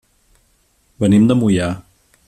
Venim de Moià.